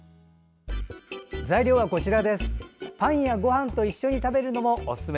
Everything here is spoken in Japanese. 材料はこちらです。